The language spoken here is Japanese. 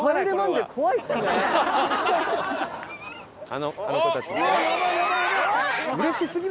あの子たちに。